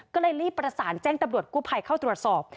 ก็เลยรีบประสานแจ้งตำรวจกู้ภัยเข้าตรวจสอบ